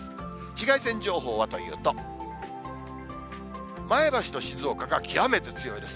紫外線情報はというと、前橋と静岡が極めて強いです。